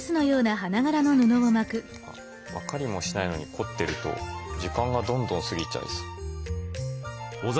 分かりもしないのに凝ってると時間がどんどん過ぎちゃいそう。